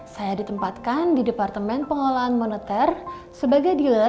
saya ditempatkan di departemen pengolahan moneter sebagai dealer